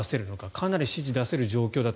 かなり指示出せる状況だと。